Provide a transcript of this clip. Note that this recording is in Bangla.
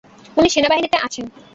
উনি সেনাবাহিনীতে আছেন।